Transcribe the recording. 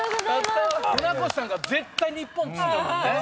船越さんが「絶対日本」っつったもんね。